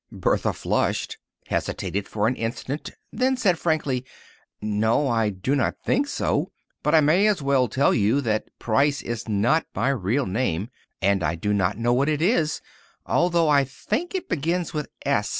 Bertha flushed, hesitated for an instant, then said frankly, "No, I do not think so. But I may as well tell you that Price is not my real name and I do not know what it is, although I think it begins with S.